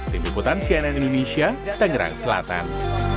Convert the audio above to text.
tim liputan cnn indonesia tangerang selatan